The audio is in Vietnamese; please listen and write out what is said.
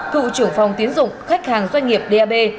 cựu trưởng phòng tiến dụng khách hàng doanh nghiệp dap